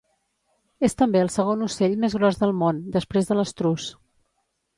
És també el segon ocell més gros del món, després de l'estruç.